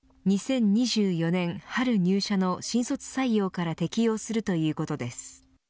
２０２４年春入社の新卒採用から適用するということです。